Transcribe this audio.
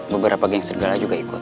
berapa geng sergala juga ikut